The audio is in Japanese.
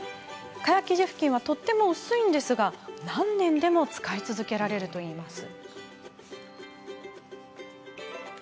蚊帳生地ふきんはとても薄いのですが何年でも使い続けられるといいます。